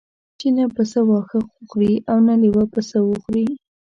چې نه پسه واښه وخوري او نه لېوه پسه وخوري.